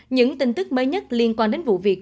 những tin tức mới nhất liên quan đến vụ việc